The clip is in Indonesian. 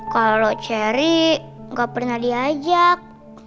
kalau cherry nggak pernah diajak